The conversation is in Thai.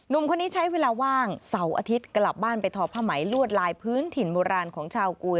หนุ่มคนนี้ใช้เวลาว่างเสาร์อาทิตย์กลับบ้านไปทอผ้าไหมลวดลายพื้นถิ่นโบราณของชาวกุย